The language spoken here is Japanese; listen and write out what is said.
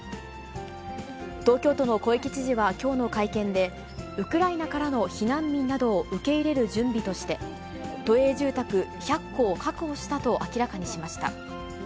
東京都の小池知事はきょうの会見で、ウクライナからの避難民などを受け入れる準備として、都営住宅１００戸を確保したと明らかにしました。